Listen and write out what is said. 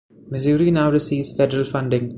Missouri now receives federal funding.